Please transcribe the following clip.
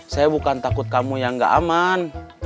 saya bukan takut kamu yang nggak aman